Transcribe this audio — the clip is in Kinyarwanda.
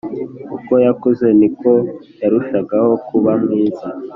uko yakuze, niko yarushagaho kuba mwiza.